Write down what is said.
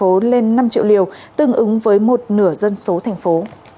tổng số vaccine của thành phố lên năm triệu liều tương ứng với một nửa dân số thành phố